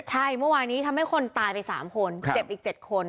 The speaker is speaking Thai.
ใช่เมื่อวานนี้ทำให้คนตายไป๓คนเจ็บอีก๗คน